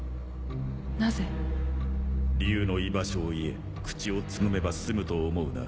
竜の居場所を言え口をつぐめば済むと思うな。